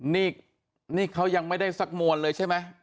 นี่เขายังไม่ได้สักมวลเลยใช่ไหม